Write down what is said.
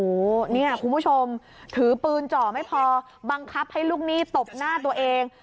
โอ้โหเนี่ยคุณผู้ชมถือปืนเจาะไม่พอบังคับให้ลูกหนี้ตบหน้าตัวเอง